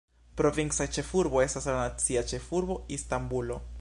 Provinca ĉefurbo estas la nacia ĉefurbo Istanbulo.